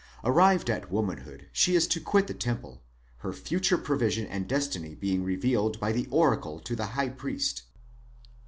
Arrived at womanhood she is to quit the temple, her future provision and destiny being revealed by the oracle to the high priest.